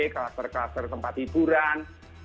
klaster klaster tempat hiburan